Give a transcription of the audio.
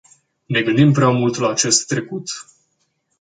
Ne gândim prea mult la acest trecut.